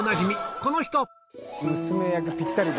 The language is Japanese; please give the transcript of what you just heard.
この人